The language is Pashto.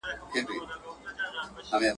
o د اخيرت سختي خوارۍ دي.